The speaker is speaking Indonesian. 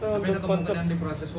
tentang penyelenggaraan di proses hukum